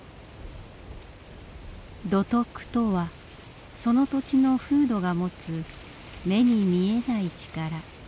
土徳とはその土地の風土が持つ目に見えない力。